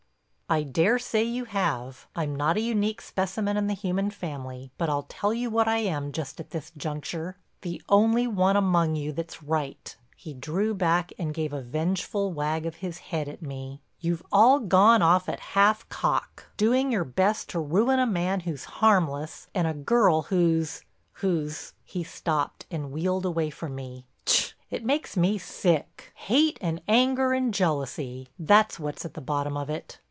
"I daresay you have, I'm not a unique specimen in the human family. But I'll tell you what I am just at this juncture—the only one among you that's right." He drew back and gave a vengeful wag of his head at me. "You've all gone off at half cock—doing your best to ruin a man who's harmless and a girl who's—who's—" he stopped, and wheeled away from me. "Tch—it makes me sick! Hate and anger and jealousy—that's what's at the bottom of it.